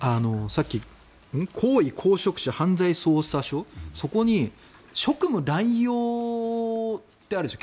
さっき高位公職者犯罪捜査処そこに職務乱用ってあるでしょ